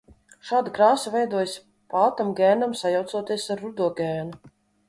Šāda krāsa veidojas, pātam gēnam sajaucoties ar rudo gēnu.